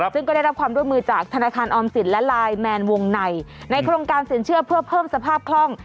ซึ่งก็ได้รับความร่วมมือจากธนาคารออมสินและไลน์แมนวงในในโครงการสินเชื่อเพื่อเพิ่มสภาพคล่อง